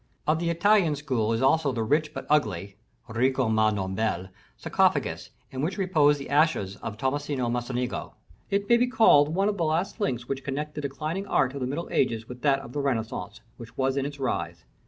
"Of the Italian school is also the rich but ugly (ricco ma non bel) sarcophagus in which repose the ashes of Tomaso Mocenigo. It may be called one of the last links which connect the declining art of the Middle Ages with that of the Renaissance, which was in its rise.